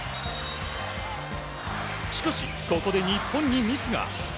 しかし、ここで日本にミスが。